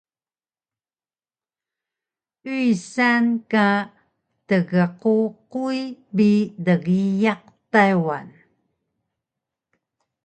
Yusan ka tgququy bi dgiyaq Taywan